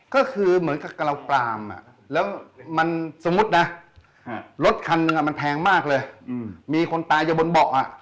ก็คือเหมือนกับเราปลามแล้วมันสมมุตินะรถคันหนึ่งมันแพงมากเลยมีคนตายอยู่บนเบาะ